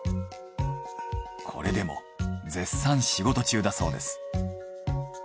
これでも絶賛仕事中だそうです。